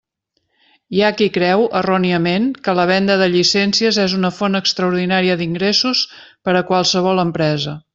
Hi ha qui creu, erròniament, que la venda de llicències és una font extraordinària d'ingressos per a qualsevol empresa.